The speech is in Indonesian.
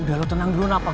udah lu tenang dulu kenapa